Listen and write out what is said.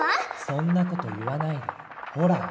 そんな事言わないでほら。